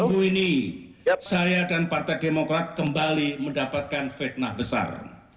baru ini saya dan partai demokrat kembali mendapatkan fitnah besar